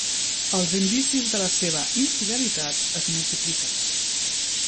Els indicis de la seva infidelitat es multipliquen.